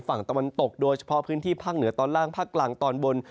ฝั่งตะวันตกโดยเฉพาะพื้นที่ภาคเหนือตอนล่างภาคกลางตอนบน